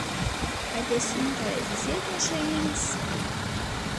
Vai tie suņi kādreiz iziet no šejienes?